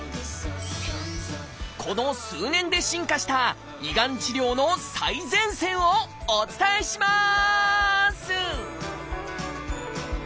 この数年で進化した胃がん治療の最前線をお伝えします！